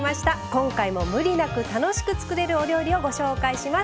今回もムリなく楽しく作れるお料理をご紹介します。